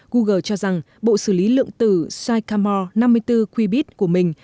google cho rằng bộ xử lý lượng tử sycamore năm mươi bốn quibit của mình